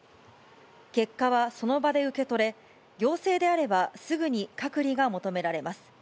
結果はその場で受け取れ、陽性であれば、すぐに隔離が求められます。